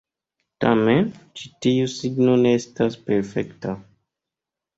Tamen, ĉi tiu signo ne estas perfekta.